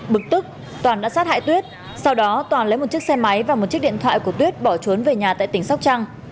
bực tức toàn đã sát hại tuyết sau đó toàn lấy một chiếc xe máy và một chiếc điện thoại của tuyết bỏ trốn về nhà tại tỉnh sóc trăng